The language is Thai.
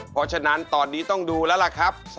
เพราะฉะนั้นตอนนี้ต้องดูแล้วล่ะครับ